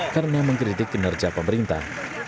karena mengkritik kinerja pemerintah